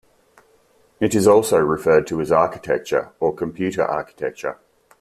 It is also referred to as architecture or computer architecture.